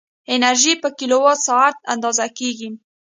انرژي په کیلووات ساعت اندازه کېږي.